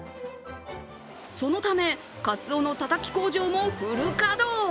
そのため、かつおのたたき工場もフル稼働。